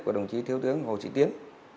của đồng chí thiếu tướng hồ sĩ tiến